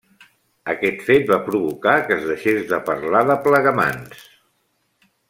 Aquest fet va provocar que es deixés de parlar de Plegamans.